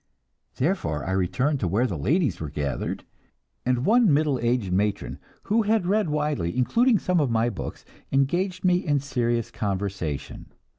Therefore I returned to where the ladies were gathered, and one middle aged matron, who had read widely, including some of my books, engaged me in serious conversation.